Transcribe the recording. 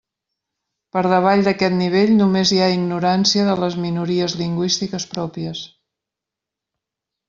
Per davall d'aquest nivell només hi ha ignorància de les minories lingüístiques pròpies.